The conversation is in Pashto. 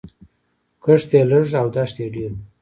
کښت یې لږ او دښت یې ډېر و